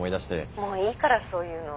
もういいからそういうの。